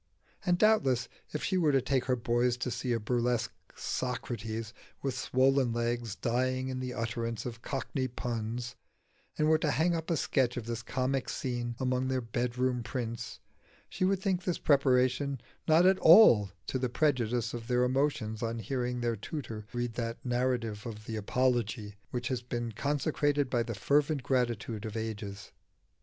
And doubtless if she were to take her boys to see a burlesque Socrates, with swollen legs, dying in the utterance of cockney puns, and were to hang up a sketch of this comic scene among their bedroom prints, she would think this preparation not at all to the prejudice of their emotions on hearing their tutor read that narrative of the Apology which has been consecrated by the reverent gratitude of ages.